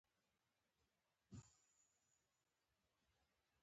افغانستان قیمتي ډبرو کانونه لري.